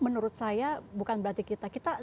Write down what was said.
menurut saya bukan berarti kita